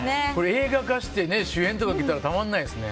映画化して主演とかきたらたまらないですね。